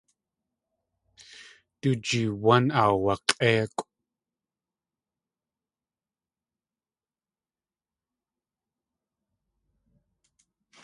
Du jiwán aawak̲ʼékʼw.